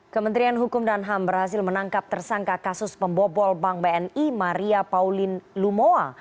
kementerian hukum dan ham berhasil menangkap tersangka kasus pembobol bank bni maria pauline lumoa